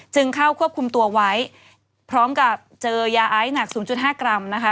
เข้าควบคุมตัวไว้พร้อมกับเจอยาไอซ์หนัก๐๕กรัมนะคะ